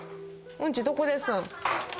うんちどこでするん？